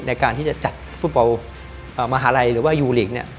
ในการที่จะจัดฟุตบอลมหาลัยหรือว่ายูหลีกเนี่ย